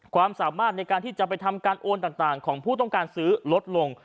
ความสามารถในการที่จะไปทำการโอนต่างของผู้ต้องการซื้อลดลง